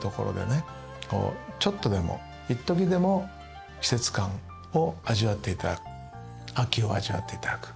こうちょっとでも一時でも季節感を味わっていただく秋を味わっていただく。